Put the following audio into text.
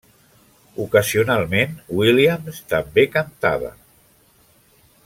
Ocasionalment Williams també cantava.